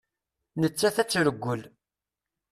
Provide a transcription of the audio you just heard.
Nettat ad tt-reggel.